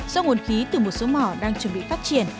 do nguồn khí từ một số mỏ đang chuẩn bị phát triển